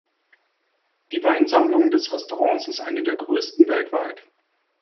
Die Weinsammlung des Restaurants ist eine der größten weltweit.